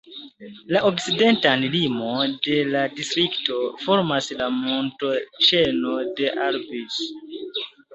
La okcidentan limon de la distrikto formas la montoĉeno de Albis.